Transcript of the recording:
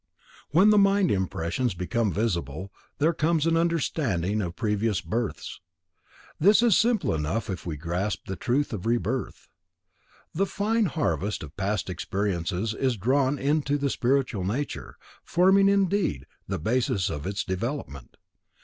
When the mind impressions become visible, there comes an understanding of previous births. This is simple enough if we grasp the truth of rebirth. The fine harvest of past experiences is drawn into the spiritual nature, forming, indeed, the basis of its development.